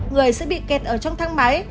người sẽ bị kẹt ở trong thang máy